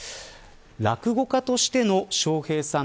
落語家としての笑瓶さん